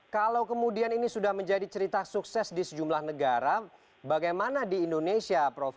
kalau kemudian ini sudah menjadi cerita sukses di sejumlah negara bagaimana di indonesia prof